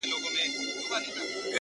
په گيلاس او په ساغر دي اموخته کړم _